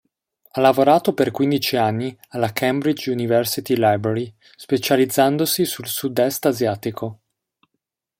Ha lavorato per quindici anni alla "Cambridge University Library", specializzandosi sul Sud-est asiatico.